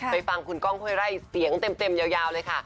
ฟังคุณก้องห้วยไร่เสียงเต็มยาวเลยค่ะ